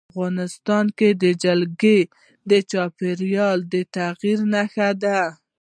افغانستان کې جلګه د چاپېریال د تغیر نښه ده.